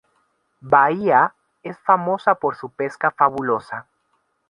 Bahía es famosa por su pesca fabulosa.